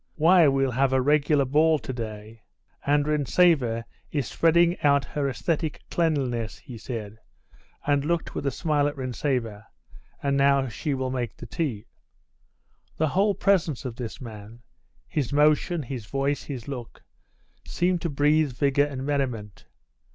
Why, we'll have a regular ball to day. And Rintzeva is spreading out her aesthetic cleanliness," he said, and looked with a smile at Rintzeva, "and now she will make the tea." The whole presence of this man his motion, his voice, his look seemed to breathe vigour and merriment.